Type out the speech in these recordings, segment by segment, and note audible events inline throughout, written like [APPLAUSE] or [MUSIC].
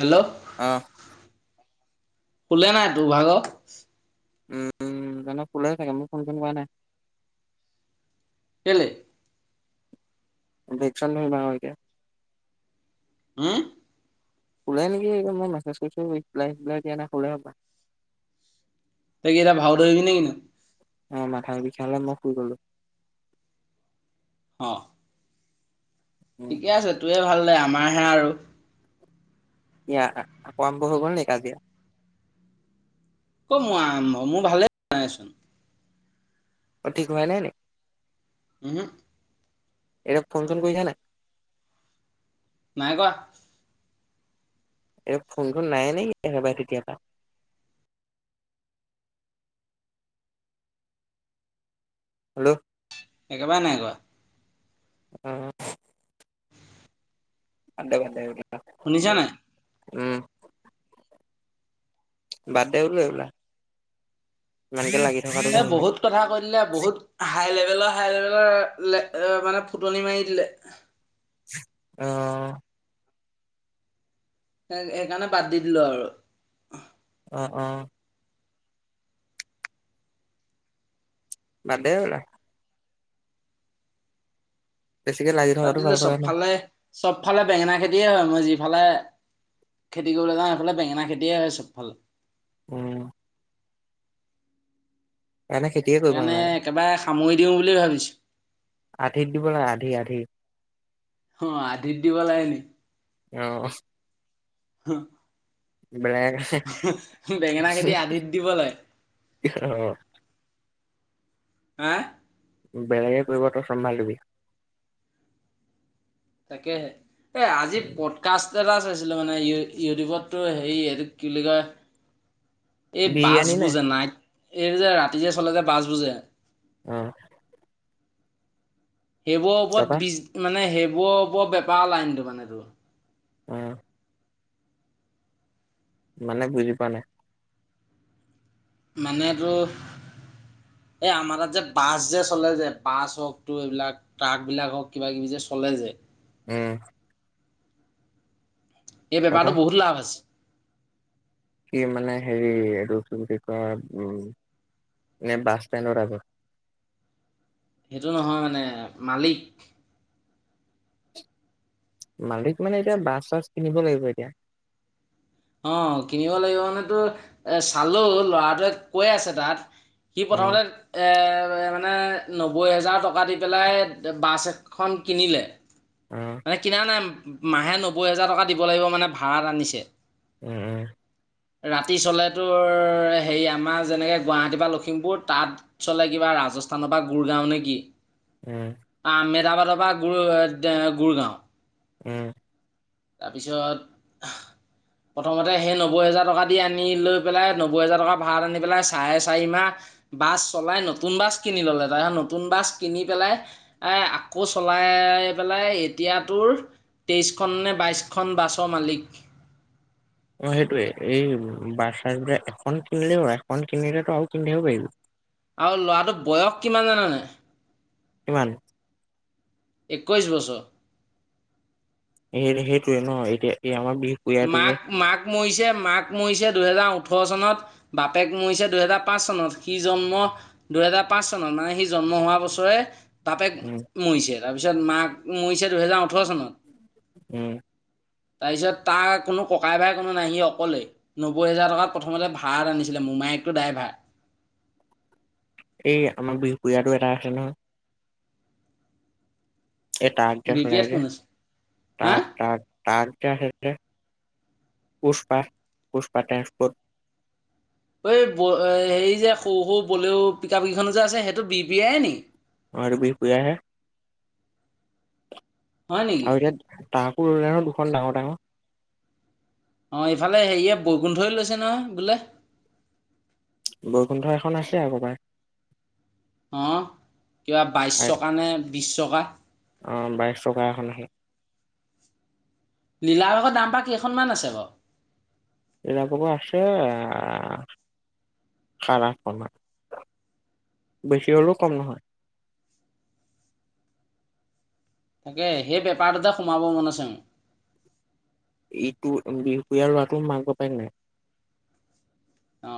Hello অ', কোলে নাই তোভাগৰ উম', জানো শুলে চাগে। মোক ফোন চন কৰা নাই। কেলে ভেকচন ধৰিবাও এতিয়া হম', শুলেই নেকি? এই মই মেছেজ কৰিছো। ৰিপ্লাই চিপ্লাই দিয়া নাই শুলে হপাই ত‌ই কি এতিয়া ভাও ধৰিবি নে কি নু অ', মাথাৰ বিষালে মই শুই গলো। অ', উম, ঠিকে আছে। তোৱে ভাল দে আমাৰহে আৰু এয়া আক আৰম্ভ হৈ গ'ল নে কাজিয়া ক', মো আৰম্ভ মোৰ ভালে নাইচোন। অ', ঠিক হোৱাই নাই নে? উম', হম, এয়াক ফোন চোন কৰিছা নাই। নাই কৰা। এই ফোনচোন নাই নেকি? একেবাৰে তেতিয়াৰ পা হেল্ল', একেবাৰে নাই কৰা। অ', [UNINTELLIGIBLE] [UNINTELLIGIBLE] [UNINTELLIGIBLE] শুনিছা নাই? উম', বাদ দে বোলো এইবিলাক ইমানকে লাগি থকাটো এই ভাল নহয়। বহুত কথা কৈ দিলে বহুত হাই লেভেলৰ হাই লেভেলৰ এ মানে ফুটনি মাৰি দিলে। অ', তাক সেইকাৰণে বাদ দি দিলো আৰু অ অ। বাদ দে সেইবিলাক। বেছিকে লাগি থকাটো ভাল পাতিলো কথা নহয়। চবফালে চবফালে বেঙেনা খেতিয়ে হয়, মই যিফালে খেতি কৰিবলগীয়া হয় সেইফালে বেঙেনা খেতিয়ে হয় চব ফালে। উম। এনে খেতি সেইকাৰণে একেবাৰে সামৰি দিওঁ বুলি ভাবিছোঁ। আধিক দিব লাগে আধি আধি। অ আধিত দিব লাগে নি অ। হ [INAUDIBLE] হেহ বেঙেনা খেতি আধিত দিব লয়। অ হা? বেলেগে কৰিব তই চম্ভালিবি। তাকেহে। এই আজি পডকাষ্ট এটা চাইছিলোঁ মানে ইউ-ইউটিউবতটোৰ হেৰি এইটো কি বুলি কয় এই বিৰিয়ানী নে? বাছবুৰ জনা এই যে ৰাতি যে চলে যে বাছবুৰ যে উম সেইবোৰৰ ওপৰত তাৰপা বিজ মানে সেইবোৰৰ ওপৰত বেপাৰ লাইনটো মানে তোৰ উ মানে বুজি পোৱা নাই। মানে তোৰ এই আমাৰ তাত যে বাছ যে চলে যে বাছ হওঁক তোৰ এইবিলাক ট্ৰাক বিলাক হওক কিবা কিবি যে চলে যে উম। এই তাৰপা বেপাৰটোত বহুত লাভ আছে। কি মানে হেৰি এইটো কি বুলি কয়, উম এনে বাছ ষ্টেনৰ আগত সেইটো নহয় মানে মালিক মালিক মানে এতিয়া বাছ-চাছ কিনিব লাগিব এতিয়া। অ কিনিব লাগিব মানে তোৰ এ চালো ল'ৰাটোৱে কৈ আছে তাত সি উম, প্ৰথমতে এ মানে নব্বৈ হেজাৰ টকা দি পেলাই বাছ এখন কিনিলে, উম। মানে কিনা নাই, মাহে নব্বৈ হোজাৰ টকা দিব লাগিব মানে ভড়াত আনিছে, উম উম। ৰাতি চলে তোৰ হেৰি আমাৰ যেনেকৈ গুৱাহাটী বা লখিমপুৰ তাত চলে কিবা ৰাজস্থানৰ পৰা গুৰগাঁও নেকি উম। আমেদাবাদৰ পৰা গু-গুৰগাঁও। উম। তাৰপিছত প্ৰথমতে সেই নব্বৈ হোজাৰ টকা দি আনি লৈ পেলাই নব্বৈ হাজাৰ টকা ভাঢ়াত আনি পেলাই চাৰে চাৰি মাহ বাছ চলাই নতুন বাছ কিনি ললে তাৰছত নতুন বাছ কিনি পেলাই এ আকৌ চলাই পেলাই এতিয়া তোৰ তেইশখননে বাইছখন বাছৰ মালিক। অ সেইটোৱে এই বাচ চাছবিলাক এখন কিনিলে হল, এখন কিনিলেতো আৰু কিনি থাকিব পাৰিবি। আৰু ল'ৰাটোৰ বয়স কিমান জানানে নাই? কিমান? একৈছ বছৰ। এই সেইটোয়ে ন এতিয়া এই আমাৰ বি মাক মাক মৰিছে মাক মৰিছে দুহেজাৰ ওঠৰ চনত বাপেক মৰিছে দুহেজাৰ পাঁচ চনত সি জন্ম দুহেজাৰ পাঁচ চনত মানে সি জন্ম হোৱা বছৰে বাপেক উম, মৰিছে তাৰপিছত মাক মৰিছে দুহেজাৰ ওঠৰ চনত, উম। তাৰপিছত তাৰ কোনো ককাই ভাই কোনো নাই সি অকলে। নব্বৈ হেজাৰ টকাৰ প্ৰথমতে ভাৰাত আনিছিলে মোমাইকটো ডাইভাৰ। এই আমাৰ বিহুপুৰীয়াতো এটা আছে নহয়। এই ট্ৰাক যে বি পি এত চলাই যে কোন আছে হা ট্ৰাক ট্ৰাক। তাক যে আছে যে পুষ্পা পুষ্পা টেঞ্চপত। এ বৌ হেৰি যে সৰু সৰু বলেও পিকআপকেইখন যে আছে সেইটো বি বি আয় নেকি? অ হেইটো বিহপুৰীয়া হে। হয় নেকি আৰু এতিয়া ট্ৰাকো ললে নহয় দুখন ডাঙৰ ডাঙৰ। অঁ এইফালে হেৰিয়ে বৈকোণ্ঠই লৈছে নহয় বোলে। বৈকুণ্ঠ এখন আছে [UNINTELLIGIBLE] অঁ কিবা বাইছ চকা নে বিশছ চকা। অ বাইছ চকা এখন আছে। নীলা ৰঙৰ ডামপা কেইখনমান আছে বাৰু? [UNINTELLIGIBLE] আছে সাত আঠ খন মান। বেছি হ'লেও কম নহয়। তাকে সেই বেপাৰটোতে সোমাব মন আছে মোৰ। ইটো বিহপুৰীয়া ল'ৰাটো মাক বাপেক নাই। অ।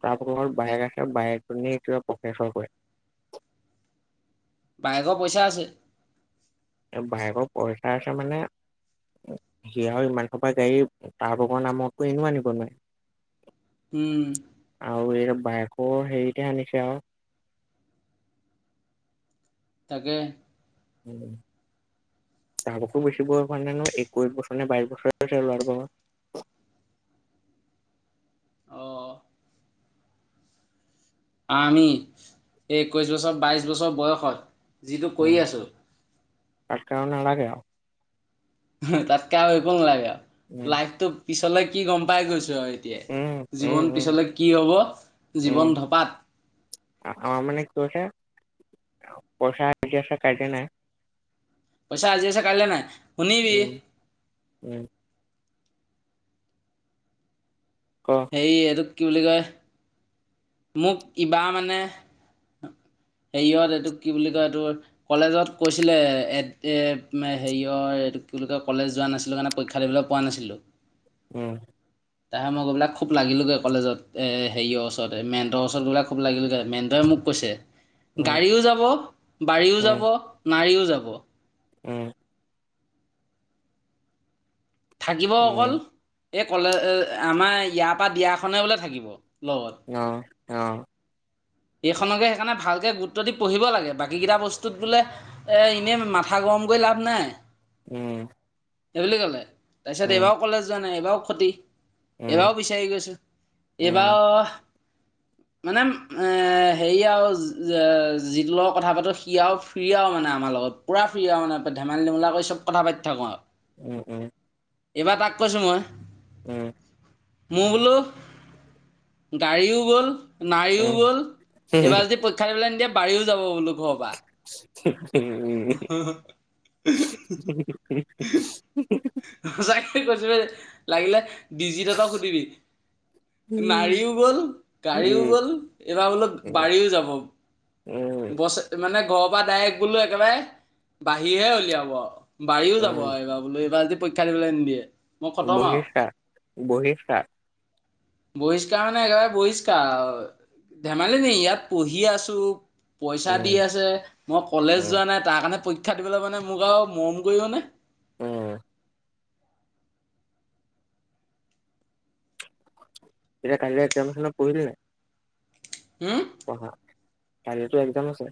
[UNINTELLIGIBLE] বায়েক আছে বায়েকজনী কিবা প্ৰফ্ৰেশৰ কৰে। বায়েকৰ পইচা আছে। বাইেকৰ পইচা আছে মানে সি আৰু ইমান খোপা গাড়ী তা ভাগৰ নামততো এনেও আনিব নোৱাৰে। উম। আৰু এই বাইকৰো হেৰিতে আনিছে আৰু। তাকে। উম তাৰো একো বেছি হোৱা নাই নহয় একৈশ বছৰ নে বাইশ বছৰ হৈছে ল'ৰাটো [UNINTELLIGIBLE] অঁ আমি এই একৈছ বছৰ বাইছ বছৰ বয়সত যিটো উম কৰি আছোঁ তাতকে আৰু নালাগে আৰু। তাতকে আৰু একো নালাগে আৰু, উম লাইফটো পিছলৈ কি গম পাই গৈছোঁ। [UNINTELLIGIBLE] এতিয়াই, উম উম জীৱন উম পিছলৈ কি হ'ব উম জীৱন ধপাত। আমাৰ মানে কি হৈছে পইচা আজি আছে কাইলে নাই। পইছা আজি আছে কাইলৈ নাই শুনিবি। উম উম' ক সেই এইটোক কি বুলি কয়। মোক কিবা মানে হেৰিয়ত এইটোক কি বুলি কয় এইটোৰ। কলেজত কৈছিলে এ হেৰিয়ৰ এই কি বুলি কলেজ যোৱা নাছিলো কাৰণে। পৰীক্ষা দিবলে পোৱা নাছিলোঁ। উম' তাৰপিছত মই গৈ পেলাই খুব লাগিলগে কলেজত হেৰিয়ৰ ওচৰত। মেণ্টৰ ওচৰত গৈ পেলাই খুব লাগিলোগে মেন্দেয়ে মোক কৈছে উম গাড়ীও যাব বাৰীও উম যাব নাৰীও যাব। উম থাকিব অকল উম এই কলে আমাৰ ইয়াৰ পা দিয়াখনে বোলে থাকিব লগত। অহ' অহ'। এইখনকে সেইকাৰণে ভালকে গুৰুত্ব দি পঢ়িব লাগে। বাকীকেইটা বস্তুত বোলে এই, এনেই মাথা গৰমকৈ লাভ নাই। উম'। সেই বুলি কলে তাৰপিছত উম এইবাৰও কলেজ যোৱা নাই। এইবাৰও ক্ষতি উম এইবাৰও বিচাৰি গৈছোঁ। উম এইবাৰও মানে, হেৰি আও যিটো লগৰ কথা পাতোঁ সি আও ফ্ৰী আও মানে আমাৰ লগত। পূৰা ফ্ৰী আও মানে ধেমালি ধুমোলা কৰি চ'ব কথা পতি থাকোঁ আও উম' উম' এইবাৰ তাক কৈছোঁ মই। উম'। মোৰ বোলো গাড়ীও গ'ল নাৰীও উম গ'ল এইবাৰ যদি পৰীক্ষা দিবলৈ নিদিয়ে বাৰীও যাব বোলো ঘৰৰ পা [UNINTELLIGIBLE] সঁচাকে কৈছোঁ সেই লাগিলে ডিজিত হেতক সুধিবি। উম নাৰীও গ'ল গাড়ীও উম গ'ল এইবাৰ বোলো বাৰীও যাব। উম'। বছ মানে ঘৰৰ পৰা ডাইৰেক্ট গ'লোঁ একেবাৰে বাঢ়িহে উলিয়াব আও। বাৰীও যাব উম আও এইবাৰ বোলোঁ এইবাৰ যদি পৰীক্ষা দিবলে নিদিয়ে। মই খতম আৰু বহিষ্কাৰ বহিষ্কাৰ। বহিষ্কাৰ মানে একেবাৰে বহিষ্কাৰ আও ধেমালি নেকি ইয়াত পঢ়ি আছোঁ। পইচা দি উম আছে। মই কলেজ উম যোৱা নাই তাৰ কাৰণে পৰীক্ষা দিবলে মানে মোক আও মৰম কৰিব নে। উম এতিয়া কাইলে লে এক্সাম আছে নহয় পঢ়িলি নাই। হোম। পঢ়া। কাইলে টো এক্সাম আছে।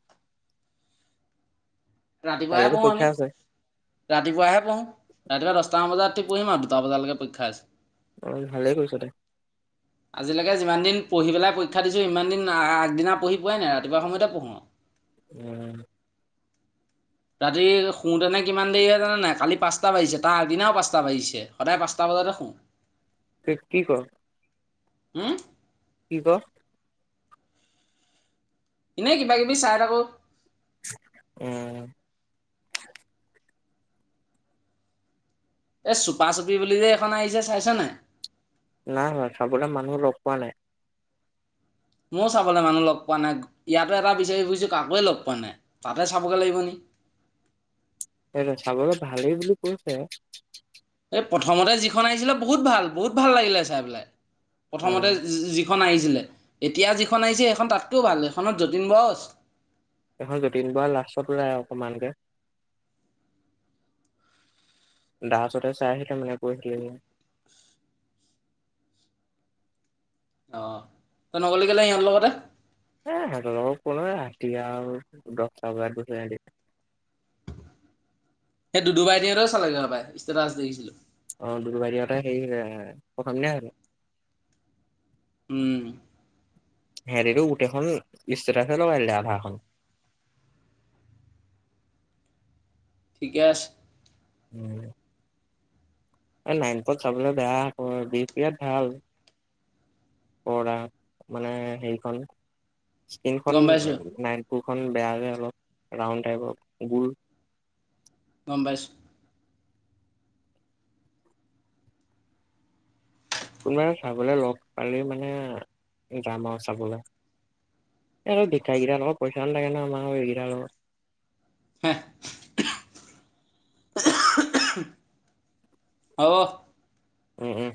ৰাতিপুৱাৰ হে কাইলেতো পঢ়ো পৰীক্ষা আমি। আছে ৰাতিপুৱাহে পঢ়ো। ৰাতিপুৱা দহটা বজাত ৰাতি পঢ়িম আও দুটা বজালৈকে পৰীক্ষা আছে। অ' ভালে কৰিছ দে। [UNINTELLIGIBLE] আজিলেকে যিমানদিন পঢ়ি পেলাই পৰীক্ষা দিছোঁ। সিমানদিন আগদিনা পঢ়ি পোৱাই নাই ৰাতিপুৱা সময়তে পঢ়োঁ। উম'। ৰাতি শোওঁতেনে কিমান দেৰি হয় জাননে নাই? কালি পাঁচটা বাজিছে, তাৰ আগদিনাও পাঁচটা বাজিছে, সদায় পাঁচটা বজাতে শোওঁ। [INAUDIBLE] ফিট কি ক'ৰ? উম'? কি ক'ৰ? এনেই কিবা কিবি চাই থাকোঁ। উম'। এ চুপা চুপি বুলি যে এখন আহিছে চাইছান নাই? নাই চোৱা, চাবলৈ মানুহ লগ পোৱা নাই। ময়ো চাবলৈ মানুহ লগ পোৱা নাই। ইয়াতো এটা বিচাৰি ফুৰিছো কাকোৱে লগ পোৱা নাই। তাতে চাবগে লাগিব নি। সেইটো চাবলৈ ভালেই বুলি কৈছে। এ প্ৰথমতে যিখন আহিছিলে বহুত ভাল, বহুত ভাল লাগিলে চাই পেলাই। অ প্ৰথমতে জি জি খন আহিছিলে। এতিয়া যিখন আহিছে, এইখন তাতকৈও ভাল। এইখনত যতীন বৰাও আছে। এইখন যতীন বৰা লাষ্টত ওলাই অকণমানকে। দাসহতে চাই আহিলে মানে কৈ চিলেহি। অ', তই নগলি কেলে ইহঁতৰ লগতে? এ সিহঁতৰ লগত কোনে যায়, ৰাতিহে আৰু দহটা বজাতহে গৈছে ইহতি। সেই দুদু্বাহতেও চালেগে হপায়, ষ্টেটাছ দেখিছিলো। অ', দুদুভাইতিহতে হেৰি প্ৰথম দিনাই চালে। উম। হেৰিটো গোটেইখন ষ্টেটাছে লগাই দিলে আধাখন। ঠিকে আছে। উম। এ নাৰায়নপুৰত চাবলে বেয়া আকৌ, বিহপুৰীয়াত ভাল। পৰ্দা মানে হেৰিখন স্কিনখন গম পাইছোঁ নাৰায়নপুৰখন বেয়া যে অলপ, ৰাউন টাইপৰ, গুল। গম পাইছোঁ। কোনোবাই চাবলৈ লগ পালে মানে যাম আৰু চাবলৈ। এই আৰু ভিক্ষাৰীগিটাৰ লগত পইচাও নাথাকে নহয়, আমাৰ এইকেইটাৰ লগত। হ'ব। উম, উম।